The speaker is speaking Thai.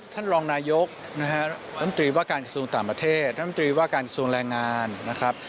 ท่านรองนายกนะฮะน้ำตรีว่าการกระทรวงต่างประเทศน้ำตรีว่าการกระทรวงแรงงานนะครับ